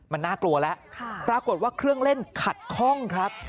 มันน่ากลัวแล้วปรากฏว่าเครื่องเล่นขัดคล่องครับ